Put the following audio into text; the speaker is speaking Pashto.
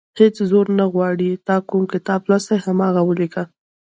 هېڅ زور نه غواړي تا کوم کتاب لوستی، هماغه ولیکه.